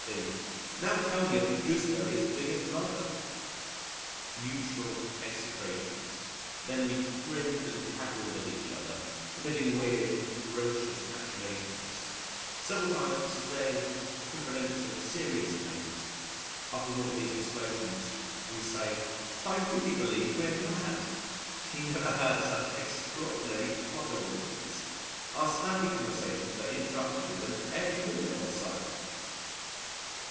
B.: "Now tell me of the Gooseberry as big as Mother." Mutual execrations. Then we grinned and cackled at each other, emitting weird and ferocious cachinnations. Several times a day in confidential, serious tones after one of these explosions we say, "I really believe we're mad." You never heard such extraordinary caterwaulings. Our snappy conversations are interrupted with them every minute or so!